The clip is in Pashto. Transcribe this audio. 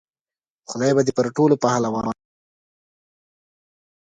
خدای به دې پر ټولو پهلوانانو قوي او غلیچ کړي.